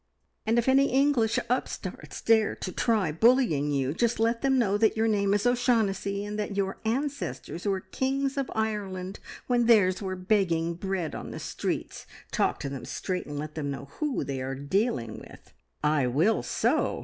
"And if any English upstarts dare to try bullying you, just let them know that your name is O'Shaughnessy, and that your ancestors were Kings of Ireland when theirs were begging bread on the streets! Talk to them straight, and let them know who they are dealing with!" "I will so!"